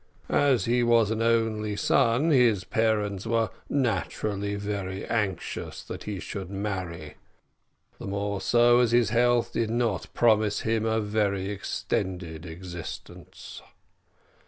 "As he was an only son, his parents were naturally very anxious that he should marry; the more so as his health did not promise him a very extended existence.